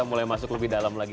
mulai masuk lebih dalam lagi